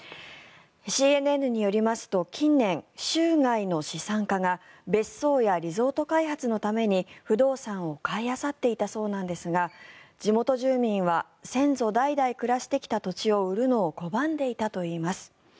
ＣＮＮによりますと近年、州外の資産家が別荘やリゾート開発のために不動産を買いあさっていたそうなんですが地元住民は先祖代々暮らしてきた土地を売るのを拒んでいたといいます。